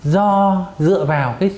do dựa vào